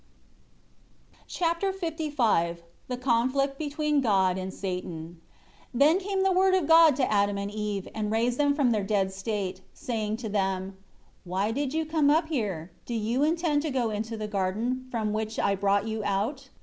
Chapter LV The Conflict between God and Satan. 1 Then came the Word of God to Adam and Eve, and raised them from their dead state, saying to them, "Why did you come up here? Do you intend to go into the garden, from which I brought you out?